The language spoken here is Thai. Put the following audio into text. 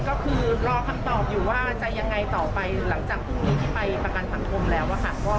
ก็คือรอคำตอบอยู่ว่าจะยังไงต่อไปหลังจากพรุ่งนี้ที่ไปประกันสังคมแล้วค่ะ